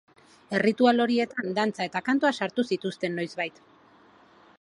Erritual horietan, dantza eta kantua sartu zituzten noizbait.